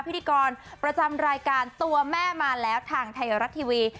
พิธีกรประจำรายการตัวแม่มาแล้วทางไทยรัฐทีวี